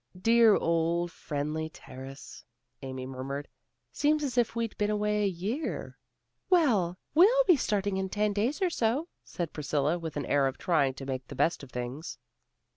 "Dear old Friendly Terrace," Amy murmured. "Seems as if we'd been away a year." "Well, we'll be starting in ten days or so," said Priscilla, with an air of trying to make the best of things.